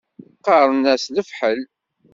Qqaṛen-as lefḥel.